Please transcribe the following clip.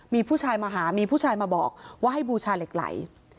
มีผู้ชายมาหามีผู้ชายมาบอกว่าให้บูชาเหล็กไหล